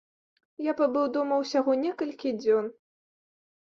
Я пабыў дома ўсяго некалькі дзён.